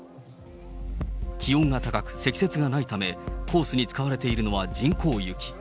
気温が高く、積雪がないため、コースに使われているのは人工雪。